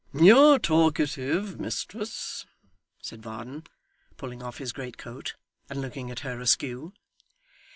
'You're talkative, mistress,' said Varden, pulling off his greatcoat, and looking at her askew.